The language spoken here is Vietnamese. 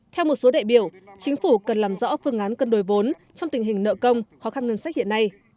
theo một số đại biểu chính phủ cần làm rõ phương án cân đổi vốn trong tình hình nợ công khó khăn ngân sách hiện nay